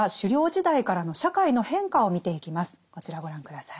こちらをご覧下さい。